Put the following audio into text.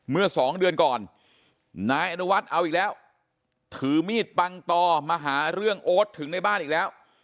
เมื่อสองเดือนก่อนนายอนุวัฒน์เอาอีกแล้วถือมีดปังต่อมาหาเรื่องโอ๊ตถึงในบ้านอีกแล้ว